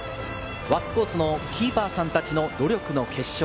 輪厚コースのキーパーさんたちの努力の結晶。